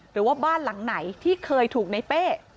หรือว่าบ้านหลังไหนที่เคยถูกในเป้